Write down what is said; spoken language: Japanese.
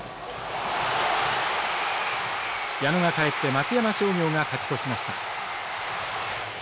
矢野が帰って松山商業が勝ち越しました。